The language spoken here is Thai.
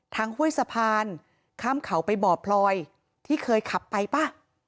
ห้วยสะพานข้ามเขาไปบ่อพลอยที่เคยขับไปป่ะ